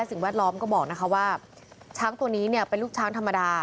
และสิ่งแวดล้อมก็บอกนะคะว่าช้างตัวนี้เป็นลูกช้างธรรมดา